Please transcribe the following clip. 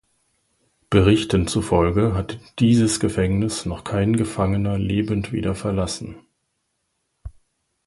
Berichten zufolge hat dieses Gefängnis noch kein Gefangener lebend wieder verlassen.